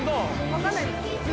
分かんないです